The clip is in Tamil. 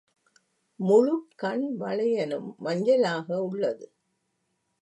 முழு கண்-வளையனும் மஞ்சலாக உள்ளது.